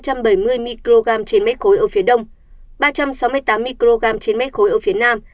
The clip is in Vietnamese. ba trăm bảy mươi microgram trên mét khối ở phía đông ba trăm sáu mươi tám microgram trên mét khối ở phía nam